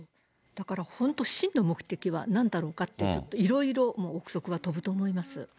だから、本当、真の目的はなんだろうかって、いろいろもう臆測は飛ぶと思います。